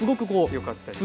よかったです。